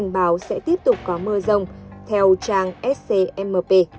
báo sẽ tiếp tục có mưa rông theo trang scmp